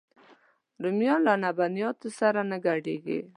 رومیان له لبنیاتو سره نه ګډېږي